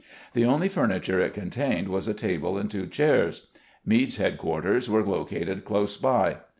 The only furniture it contained was a table and two chairs. Meade's headquarters were located close by.